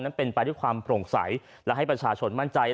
นั้นเป็นไปด้วยความโปร่งใสและให้ประชาชนมั่นใจ